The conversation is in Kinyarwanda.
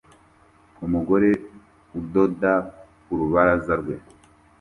Umugore udoda ku rubaraza rwe